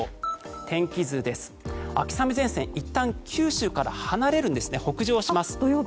天気図ですが、秋雨前線いったん九州から離れて北上します。